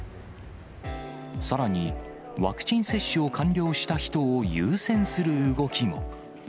さらに、ワクチン接種を完了した人を優先する動きも。